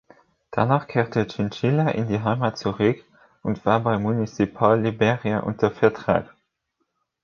Danach kehrte Chinchilla in die Heimat zurück und war bei Municipal Liberia unter Vertrag.